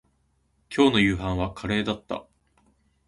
今日の夕飯はカレーだった